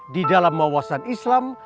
di dalam mawasan islam